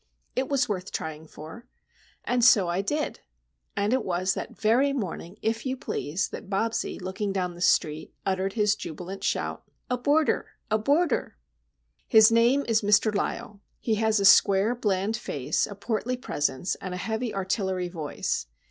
It was worth trying for! And so I did;—and it was that very morning, if you please, that Bobsie, looking down the street, uttered his jubilant shout:— "A Boarder! A Boarder!" His name is Mr. Lysle. He has a square, bland face, a portly presence, and a heavy artillery voice.